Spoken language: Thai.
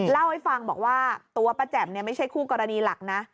เล่าให้ฟังบอกว่าตัวป้าแจ่มไม่ใช่คู่กรณีหลักนะ